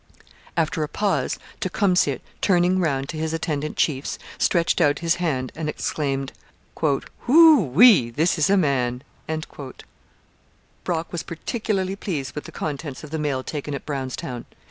After a pause Tecumseh, turning round to his attendant chiefs, stretched out his hand and exclaimed, 'Ho o o e; this is a man!' Brock was particularly pleased with the contents of the mail taken at Brownstown.